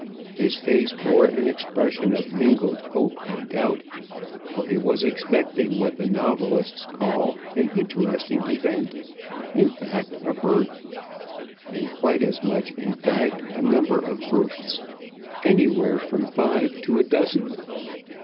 His face bore an expression of mingled hope and doubt; for he was expecting what the novelists call an interesting event, in fact, a birth, and, quite as much in fact, a number of births anywhere from five to a dozen.